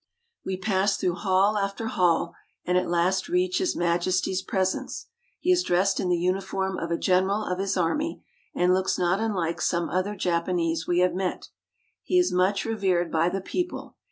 We pass through hall after hall, and at last reach His Majesty's presence. He is dressed in the uniform of a general of his army, and looks not unUke some other Jap anese we have met. He is much revered by the people.